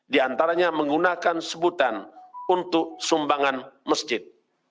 diantaranya menggunakan sebutan untuk sumbangan masjid